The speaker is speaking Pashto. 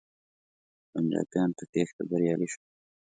پنجابیان په تیښته بریالی شول.